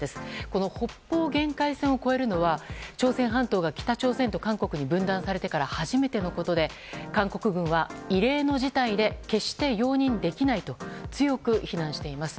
この北方限界線を越えるのは朝鮮半島が北朝鮮と韓国に分断されてから初めてのことで韓国軍は、異例の事態で決して容認できないと強く非難しています。